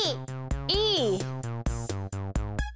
Ｅ！